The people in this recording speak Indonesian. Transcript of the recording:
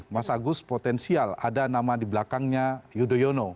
mas agus potensial ada nama di belakangnya yudhoyono